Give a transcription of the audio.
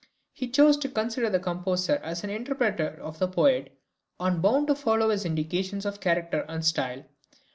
He chose to consider the composer as the interpreter of the poet, and bound to follow his indications of character and style.